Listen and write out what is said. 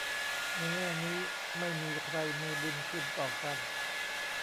ในแง่นี้ไม่มีใครมี "บุญคุณ" ต่อกัน